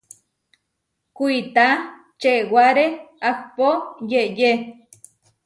Kuitá čewaré ahpó yeʼyé.